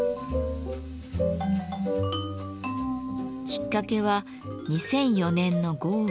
きっかけは２００４年の豪雨。